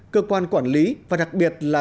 cơ quan quản lý và đặc biệt là